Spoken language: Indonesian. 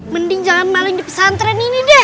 mending jalan maling di pesantren ini deh